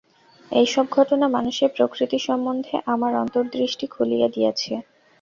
এইসব ঘটনা মানুষের প্রকৃতি সম্বন্ধে আমার অন্তর্দৃষ্টি খুলিয়া দিয়াছে।